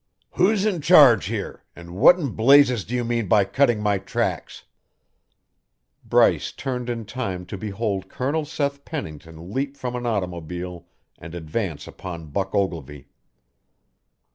"Who's in charge here, and what in blazes do you mean by cutting my tracks?" Bryce turned in time to behold Colonel Seth Pennington leap from an automobile and advance upon Buck Ogilvy.